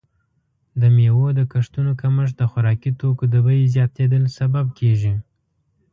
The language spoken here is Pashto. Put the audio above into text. د میوو د کښتونو کمښت د خوراکي توکو د بیې زیاتیدل سبب کیږي.